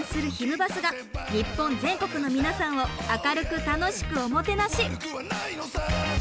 バスが日本全国の皆さんを明るく楽しくおもてなし。